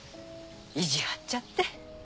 意地はっちゃって。